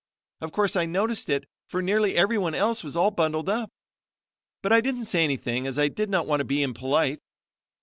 Of course I noticed it, for nearly everyone else was all bundled up; but I didn't say anything as I did not want to be impolite.